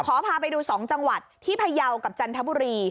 พาไปดู๒จังหวัดที่พยาวกับจันทบุรี